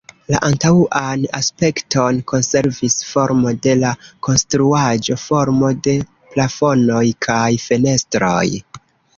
La antaŭan aspekton konservis formo de la konstruaĵo, formo de plafonoj kaj fenestroj.